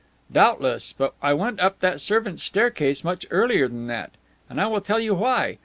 "Doubtless, but I went up that servants' staircase much earlier than that. And I will tell you why.